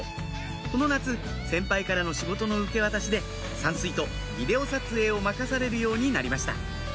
この夏先輩からの仕事の受け渡しで散水とビデオ撮影を任されるようになりました